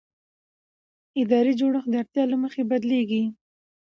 اداري جوړښت د اړتیا له مخې بدلېږي.